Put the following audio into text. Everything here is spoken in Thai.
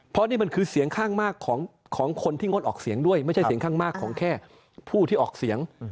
เพราะนี่มันคือเสียงข้างมากของคนที่งดออกเสียงด้วยไม่ใช่เสียงข้างมากของแค่ผู้ที่ออกเสียง